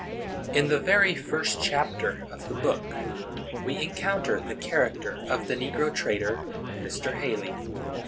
In the very first chapter of the book we encounter the character of the negro trader, Mr. Haley.